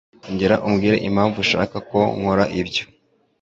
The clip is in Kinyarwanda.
Ongera umbwire impamvu ushaka ko nkora ibyo.